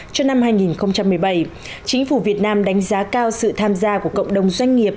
cho năm hai nghìn một mươi bảy chính phủ việt nam đánh giá cao sự tham gia của cộng đồng doanh nghiệp